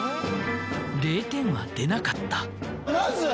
０点は出なかった。